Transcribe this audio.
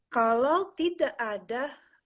kalau tidak ada